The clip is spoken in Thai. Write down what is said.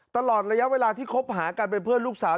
ตลอดระยะเวลาที่คบหากันเป็นเพื่อนลูกสาว